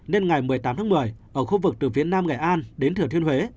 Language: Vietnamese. nên ngày một mươi tám tháng một mươi ở khu vực từ phía nam nghệ an đến thừa thiên huế